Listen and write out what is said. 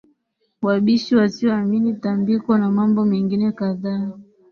wabishi wasioamini tambiko na mambo mengine kadhaa